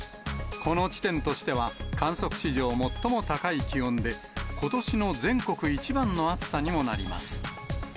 この地点としては観測史上最も高い気温で、ことしの全国一番の暑さにもなります。